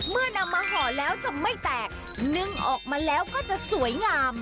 นำมาห่อแล้วจะไม่แตกนึ่งออกมาแล้วก็จะสวยงาม